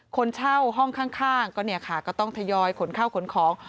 คนเช่าห้องข้างก็ต้องทยอยขนเข้าขนของ